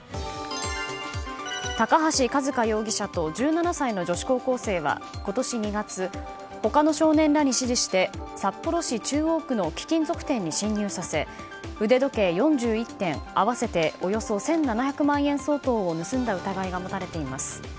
高橋一風容疑者と１７歳の女子高校生は今年２月、他の少年らに指示して札幌市中央区の貴金属店に侵入させ腕時計４１点、合わせておよそ１７００万円相当を盗んだ疑いが持たれています。